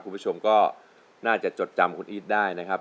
คุณผู้ชมก็น่าจะจดจำคุณอีทได้นะครับ